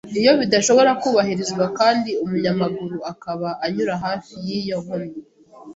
Iyo bidashobora kubahirizwa kandi umunyamaguru akaba anyura hafi y iyo nkomyi